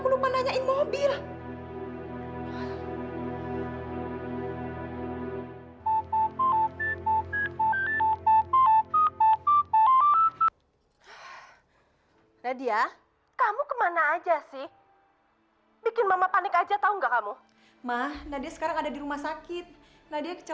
kurang seribu bang